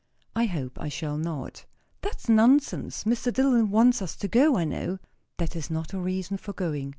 "I hope I shall not." "That's nonsense. Mr. Dillwyn wants us to go, I know." "That is not a reason for going."